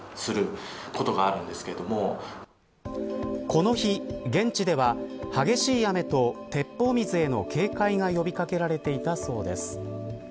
この日、現地では激しい雨と鉄砲水への警戒が呼び掛けられていたそうです。